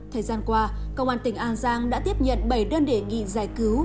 thời gian qua công an tỉnh an giang đã tiếp nhận bảy đơn đề nghị giải cứu